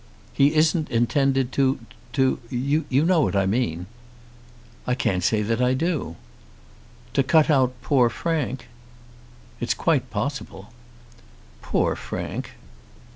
"He isn't intended to to ? You know what I mean." "I can't say that I do." "To cut out poor Frank." "It's quite possible." "Poor Frank!"